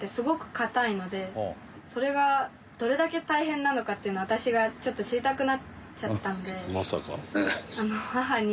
それがどれだけ大変なのかっていうのを私がちょっと知りたくなっちゃったので母に。